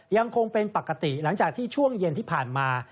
ยังคงเป็นปกติหลังจากที่ช่วงเย็นที่ผ่านมา